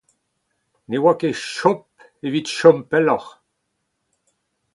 Ne oa ket Job evit chom pelloc’h.